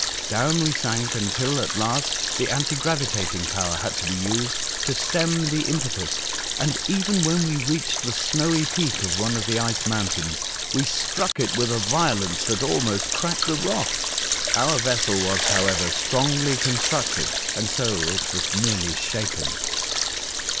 Down we sank until at last the anti gravitat ing power had to be used to stem the impetus, and even when we reached the snowy peak of one of the ice mountains, we struck it with a violence that almost cracked the rock. Our vessel was, however, strongly constructed, and so it was merely shaken.